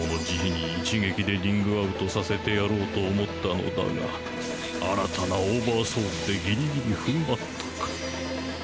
慈悲に一撃でリングアウトさせてやろうと思ったのだが新たなオーバーソウルでギリギリ踏ん張ったか。